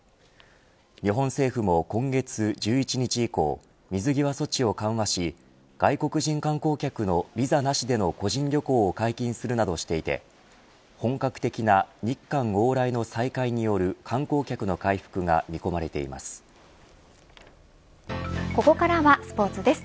日本政府も今月１１日以降水際措置を緩和し外国人観光客のビザなしでの個人旅行を解禁するなどしていて本格的な日韓往来の再開による観光客の回復が見込まれています。